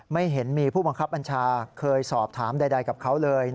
ไม่เห็นมีผู้บังคับบัญชาเคยสอบถามใดกับเขาเลย